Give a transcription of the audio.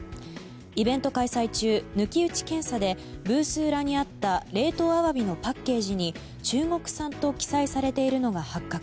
イベント開催中、抜き打ち検査でブース裏にあった冷凍アワビのパッケージに中国産と記載されているのが発覚。